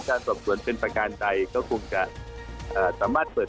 การตอบตรวจเป็นประกาศใดก็คุณจะเอ่อสามารถเปิด